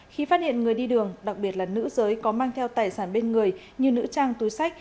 khi phát hiện người đi đường đặc biệt là nữ giới có mang theo tài sản bên người như nữ trang túi sách